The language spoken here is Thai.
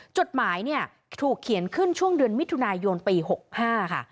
จดหมายเนี่ยถูกเขียนขึ้นช่วงเดือนมิถุนายนปี๖๕ค่ะ